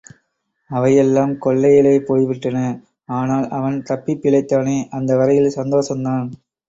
அவையெல்லாம் கொள்ளையிலே போய்விட்டன, ஆனால், அவன் தப்பிப் பிழைத்தானே, அந்த வரையிலே சந்தோஷந்தான்.